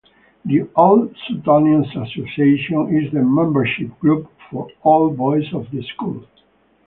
The Old Suttonians Association is the membership group for old boys of the School.